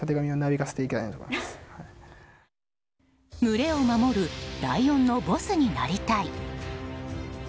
群れを守るライオンのボスになりたい。